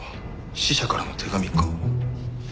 死者からの手紙か。